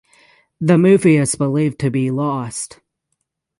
The movie is believed to be lost.